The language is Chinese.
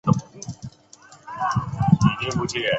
李奉三后来又调任安徽省蚌埠市中级人民法院院长。